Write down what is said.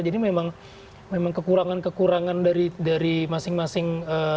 jadi memang kekurangan kekurangan dari masing masing